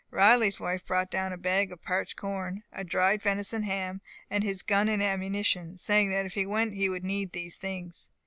Riley's wife brought down a bag of parched corn, a dried venison ham, and his gun and ammunition, saying that if he went he would need these things.